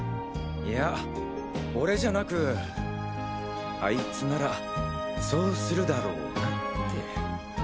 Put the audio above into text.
いや俺じゃなくアイツならそうするだろなって。